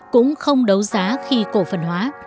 cũng không đấu giá khi cổ phân hóa